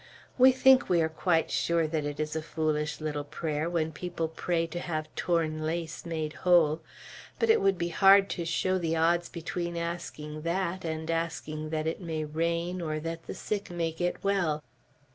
We think we are quite sure that it is a foolish little prayer, when people pray to have torn lace made whole. But it would be hard to show the odds between asking that, and asking that it may rain, or that the sick may get well.